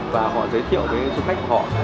và họ giới thiệu với du khách của họ